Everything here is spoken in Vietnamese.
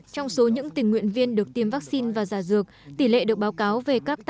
trong số những tình nguyện viên được tiêm vaccine và giả dược tỷ lệ được báo cáo về các tác dụng phụ